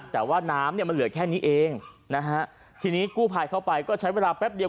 แต่ว่าน้ำเนี่ยมันเหลือแค่นี้เองนะฮะทีนี้กู้ภัยเข้าไปก็ใช้เวลาแป๊บเดียว